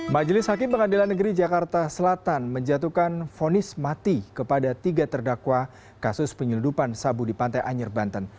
majelis hakim pengadilan negeri jakarta selatan menjatuhkan fonis mati kepada tiga terdakwa kasus penyeludupan sabu di pantai anyer banten